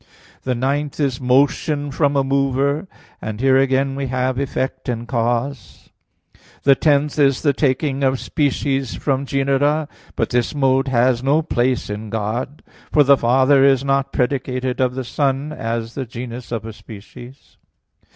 The ninth is motion from a mover; and here again we have effect and cause. The tenth is the taking of species from genera; but this mode has no place in God, for the Father is not predicated of the Son as the genus of a species.